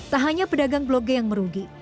tak hanya pedagang bloge yang merugi